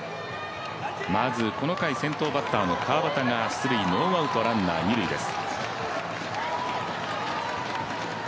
まず、この回先頭バッターの川畑が出塁ノーアウト、ランナー二塁です。